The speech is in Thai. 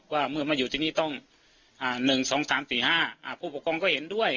ว่าเมื่อมาอยู่ที่นี่ต้อง๑๒๓๔๕ผู้ปกครองก็เห็นด้วย